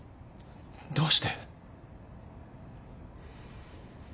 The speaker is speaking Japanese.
どうして？